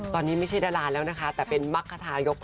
ตอนนี้ไม่ใช่ดรแล้วนะคะมักภาษาอันดับ๑